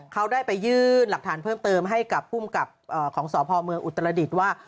เขาได้ไปยื่นหลักฐานเพิ่มเติมให้กับภูมิกับของสพเมืองอุตรดิษฐ์ว่า